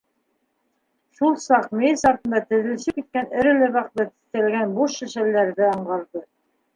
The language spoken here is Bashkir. Шул саҡ мейес артында теҙелешеп киткән эреле-ваҡлы тиҫтәләгән буш шешәлдәрҙе аңғарҙы.